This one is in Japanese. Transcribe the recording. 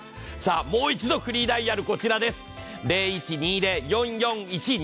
もう一度フリーダイヤルこちらです。